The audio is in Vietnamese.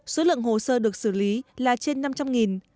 số lượng hồ sơ được xử lý là trên năm trăm linh